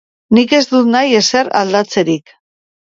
Nik ez dut nahi ezer aldatzerik.